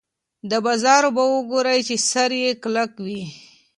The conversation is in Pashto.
د بازار اوبه وګورئ چې سر یې کلک وي.